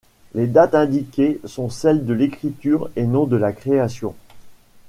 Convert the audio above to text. Les dates indiquées sont celles de l'écriture et non de la création.